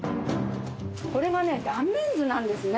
これがね断面図なんですね。